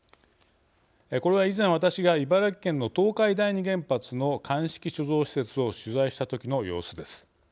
これは、以前、私が茨城県の東海第二原発の乾式貯蔵施設を取材した時の様子です。